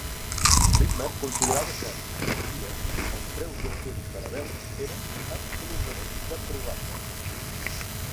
Rimmer considerava que, aquells dies, els preus d'estudi per a veus eren "absolutament deplorables".